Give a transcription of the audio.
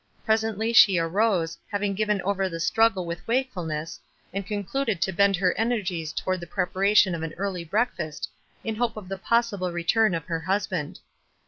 Presently she arose, having given over the struggle with wakefulness, and concluded to bend her energies toward the preparation of an early breakfast, in hope of the possible return of her husband.